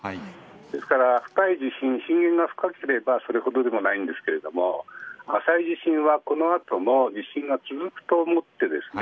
ですから深い地震震源が深ければそれほどでもないんですが浅い地震は、この後も地震が続くと思ってですね